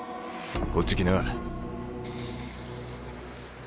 こっち来な。